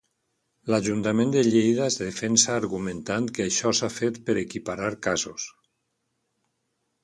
L'Ajuntament de Lleida es defensa argumentant que això s'ha fet per equiparar casos.